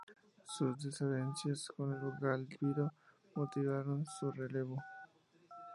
Sus desavenencias con el cabildo motivaron su relevo.